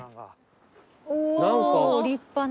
おー立派な。